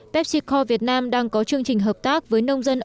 pepsico việt nam đang có chương trình hợp tác với nông dân